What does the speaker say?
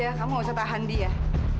sebek resor bangkit gak mau nggak